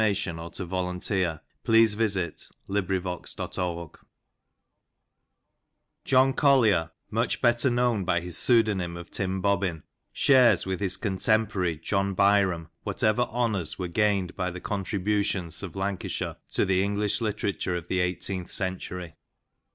TIM BOBBLNr )* JOHN COLLIER, much better known by his pseudonym of Tim Bobbin, shares with his contemporary John Byrom whatever honours were gained by the contributions of Lancashire to the Enghsh hterature of the eighteenth century.